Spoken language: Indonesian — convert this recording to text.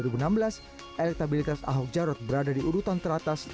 elektabilitas ahok jarot berada di urutan teratas